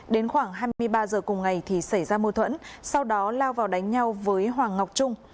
đến khoảng hai mươi ba giờ cùng ngày thì xảy ra mâu thuẫn sau đó lao vào đánh nhau với hoàng ngọc trung